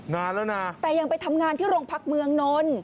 นานแล้วนะแต่ยังไปทำงานที่โรงพักเมืองนนท์